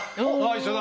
一緒だ！